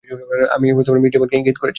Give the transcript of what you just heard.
আমি মিস ডিভাইনকে ইঙ্গিত করেছি।